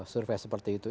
survei seperti itu